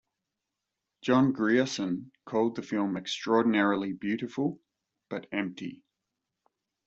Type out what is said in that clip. John Grierson called the film extraordinarily beautiful- but empty.